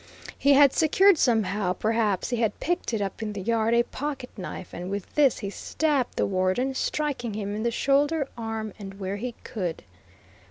He had secured somehow, perhaps he had picked it up in the yard, a pocket knife, and with this he stabbed the Warden, striking him in the shoulder, arm, and where he could.